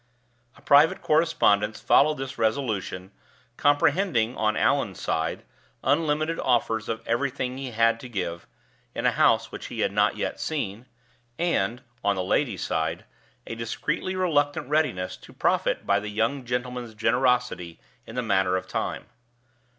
A private correspondence followed this resolution, comprehending, on Allan's side, unlimited offers of everything he had to give (in a house which he had not yet seen), and, on the ladies' side, a discreetly reluctant readiness to profit by the young gentleman's generosity in the matter of time.